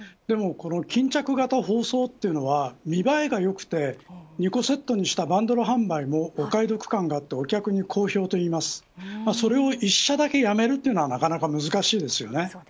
でも、この巾着型包装は見栄えが良くて２個セットにしたバンドル販売もお買い得感があってお客に好評といいますそれを１社だけ辞めるというのはなかなか難しいですよね。